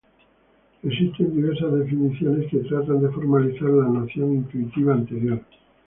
Existen diversas definiciones que tratan de formalizar la noción intuitiva anterior.